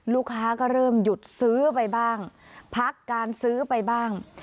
ลูกค้าก็เริ่มหยุดซื้อไปบ้างพักการซื้อไปบ้าง